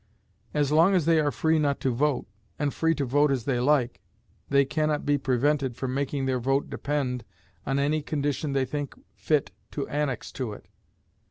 As long as they are free not to vote, and free to vote as they like, they can not be prevented from making their vote depend on any condition they think fit to annex to it.